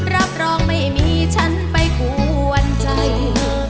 รับรองไม่มีฉันไปกวนใจ